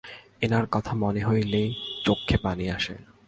Inner কথা মনে হইলেই চউক্ষে পানি আসে।